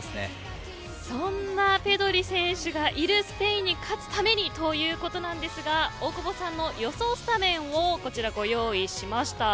そんなペドリ選手がいるスペインに勝つためにということなんですが大久保さんの予想スタメンをこちら、ご用意しました。